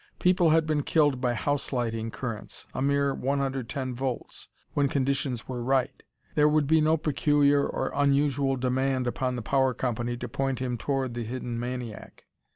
People had been killed by house lighting currents a mere 110 volts when conditions were right. There would be no peculiar or unusual demand upon the power company to point him toward the hidden maniac.